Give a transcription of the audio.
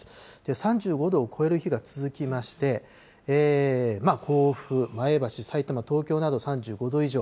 ３５度を超える日が続きまして、甲府、前橋、さいたま、東京など３５度以上。